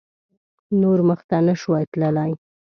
نور مخته نه شوای تللای.